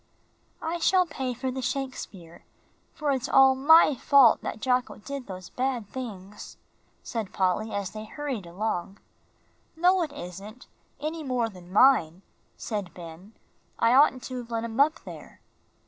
"I shall pay for the Shakespeare, for it's all my fault that Jocko did those bad things," said Polly, as they hurried along. "No, it isn't, any more than mine," said Ben. "I oughtn't to have let him up there."